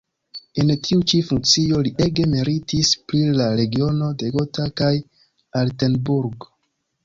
En tiu ĉi funkcio li ege meritis pri la regiono de Gotha kaj Altenburg.